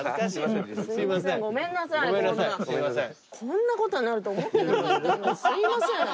こんなことになると思ってなかったんで。